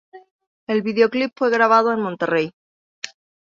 El videoclip fue grabado en Monterrey.